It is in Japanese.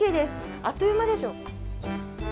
あっという間でしょ。